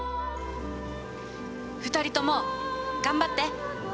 ２人とも頑張って！